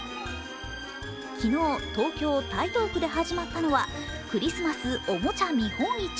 昨日東京・台東区で始まったのはクリスマスおもちゃ見本市。